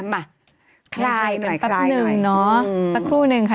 มาคลายหน่อยหนึ่งนะสักครู่หนึ่งค่ะ